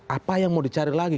apa yang mau dicari lagi